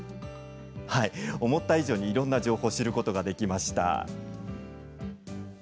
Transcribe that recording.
思った以上にいろんな情報を知ることができました。